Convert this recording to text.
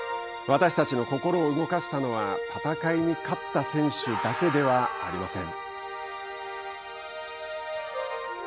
私たちの心を動かしたのは戦いに勝った選手だけではありません。